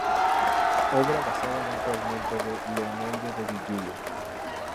Obra basada en un fragmento de le Eneida de Virgilio.